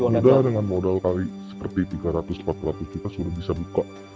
kalau sudah dengan modal kali seperti tiga ratus empat ratus juta sudah bisa buka